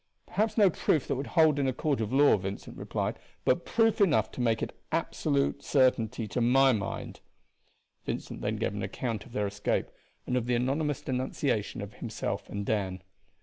"Perhaps no proof that would hold in a court of law," Vincent replied, "but proof enough to make it an absolute certainty to my mind." Vincent then gave an account of their escape, and of the anonymous denunciation of himself and Dan.